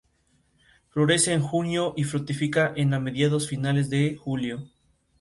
En el plantel 'universitario' consigue buenas actuaciones como alternante.